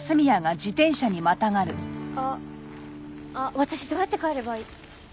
あっ私どうやって帰れば。